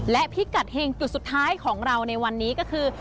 และพิกัดเฮงจุดสุดท้ายของเราในวันนี้ก็คือ